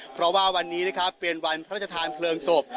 เพราะว่าวันนี้นะครับเป็นวันพระราชทานเพลิงศพ